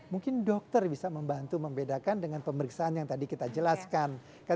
mungkin dokter bisa membantu membedakan dengan pemeriksaan yang tadi kita jelaskan